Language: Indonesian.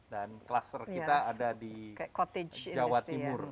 dan cluster kita ada di jawa timur